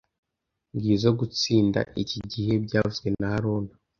Ngizoe gutsinda iki gihe byavuzwe na haruna